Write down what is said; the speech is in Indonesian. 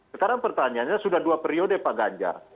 sekarang pertanyaannya sudah dua periode pak ganjar